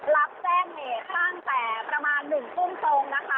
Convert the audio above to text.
รับแจ้งเหตุตั้งแต่ประมาณ๑ทุ่มตรงนะคะ